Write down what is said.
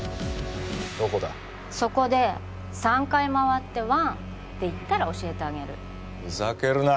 どこだそこで３回まわってワンって言ったら教えてあげるふざけるな！